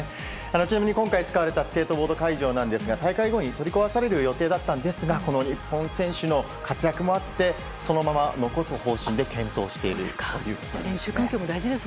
ちなみに今回、使われたスケートボード会場なんですが大会後に取り壊される予定だったんですがこの日本選手の活躍もあってそのまま残す方針で検討しているということです。